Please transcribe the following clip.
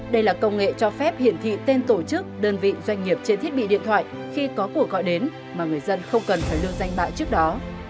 đây là công nghệ cho phép hiển thị tên tổ chức đơn vị doanh nghiệp trên thiết bị điện thoại khi có cuộc gọi đến mà người dân không cần phải lưu danh bạ trước đó